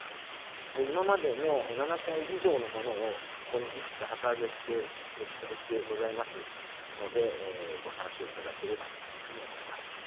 今までの７回以上のものをここにいくつか旗上げして記載してございますので、ご参照いただければというふうに思います。